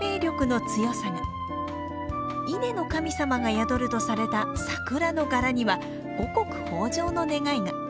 稲の神様が宿るとされた桜の柄には五穀豊穣の願いが。